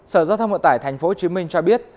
sở giao thông vận tải tp hcm cho biết